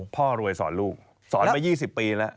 พ่อรวยสอนลูกสอนมา๒๐ปีแล้ว